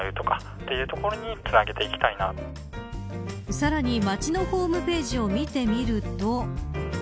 さらに町のホームページを見てみると。